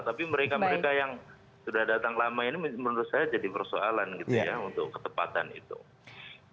tapi mereka mereka yang sudah datang lama ini menurut saya jadi persoalan gitu ya untuk ketepatan itu